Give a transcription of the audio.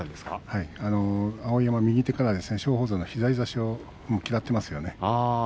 碧山は右手から松鳳山の左差しを嫌っていますね。